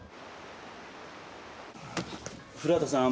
古畑さん。